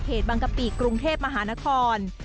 เขตบังกะปิกกรุงเทพย์มหาวัน